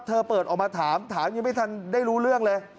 เธอเปิดออกมาถามถามยังไม่ทันได้รู้เรื่องเลย